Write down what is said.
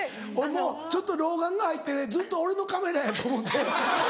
もうちょっと老眼が入っててずっと俺のカメラやと思って。